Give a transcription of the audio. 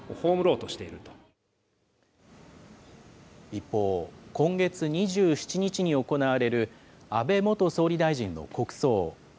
一方、今月２７日に行われる安倍元総理大臣の国葬。